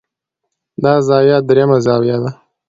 دا زاويه درېيمه زاويه ده